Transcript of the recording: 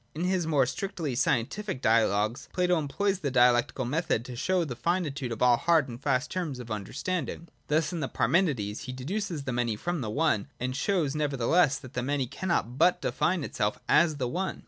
In his more strictly scientific dialogues Plato employs the dialectical method to show the finitude of all hard and fast terms of understanding. Thus in the Parmenides he deduces the many from the one, and shows nevertheless that the many cannot but define itself as the one.